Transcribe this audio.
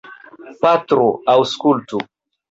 Patro, aŭskultu!